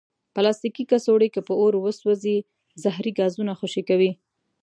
پلاستيکي کڅوړې که په اور وسوځي، زهري ګازونه خوشې کوي.